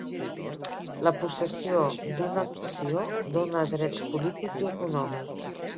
La possessió d'una acció dóna drets polítics i econòmics.